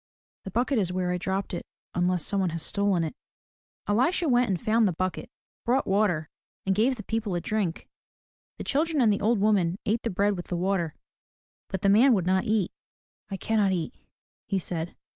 The bucket is where I dropped it unless some one has stolen it." Elisha went and found the bucket, brought water, and gave the people a drink. The children and the old woman ate the bread with the water, but the man would not eat. "I cannot eat," he said.